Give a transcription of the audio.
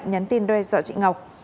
nhắn tin đe dọa chị ngọc